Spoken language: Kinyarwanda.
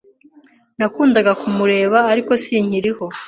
Nakundaga kumureba, ariko sinkiriho.